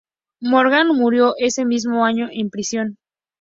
Morgan murió ese mismo año en prisión.